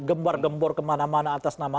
gembar gembor kemana mana atas nama